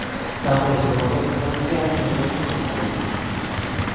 Tamén o apoio familiar é moi importante.